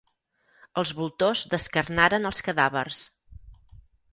Els voltors descarnaren els cadàvers.